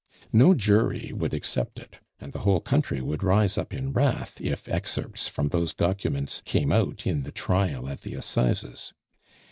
No jury would accept it; and the whole country would rise up in wrath if excerpts from those documents came out in the trial at the Assizes.